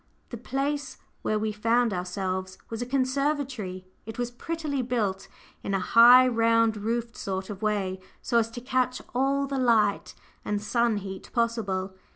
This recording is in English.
The place where we found ourselves was a conservatory: it was prettily built in a high, round roofed sort of way, so as to catch all the light and sun heat possible.